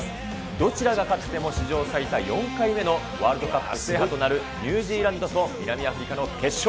どちらが勝っても史上最多４回目のワールドカップ制覇となるニュージーランドと南アフリカの決勝。